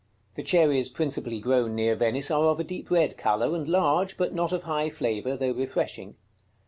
The cherries principally grown near Venice are of a deep red color, and large, but not of high flavor, though refreshing.